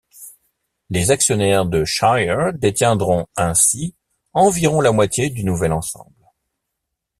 Les actionnaires de Shire détiendront ainsi environ la moitié du nouvel ensemble.